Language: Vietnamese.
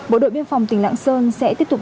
bộ đội biên phòng tỉnh lạng sơn sẽ tiếp tục